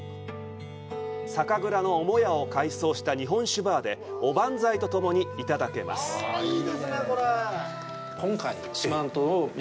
酒蔵の母屋を改装した日本酒バーで、おばんざいとともにいただけるんです。